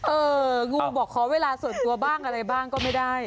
เอองูบอกขอเวลาส่วนตัวบ้างอะไรบ้างก็ไม่ได้